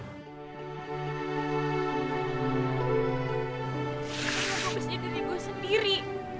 kenapa berisik diri gue sendiri